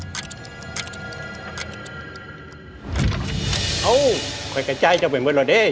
เขาคอยกระจายเจ้าเป่ำเขางโวลด้อเนี่ย